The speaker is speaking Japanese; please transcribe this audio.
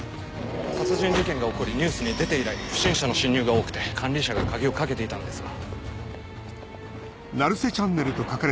殺人事件が起こりニュースに出て以来不審者の侵入が多くて管理者が鍵を掛けていたんですが。